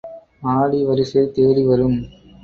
ஆடி வரிசை தேடி வரும்.